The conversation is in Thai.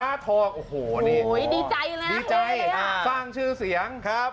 คว้าทองโอ้โหนี่โอ้โหดีใจเลยนะดีใจฟังชื่อเสียงครับ